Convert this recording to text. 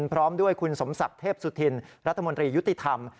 พร้อมด้วยคุณสมศักดิ์เทพสุธินรัฐมนตรียุติธรรม